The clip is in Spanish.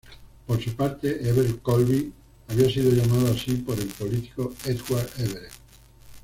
Por su parte, Everett Colby había sido llamado así por el político Edward Everett.